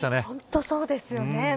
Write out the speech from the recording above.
本当そうですよね。